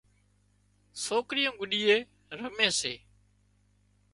سوڪريون گڏيئي رمي سي